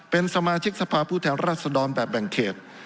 เป็นสมาชิกสภาพผู้แทนรัศดรแบบแบ่งเขต